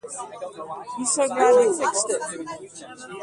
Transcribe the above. He's so glad he fixed it.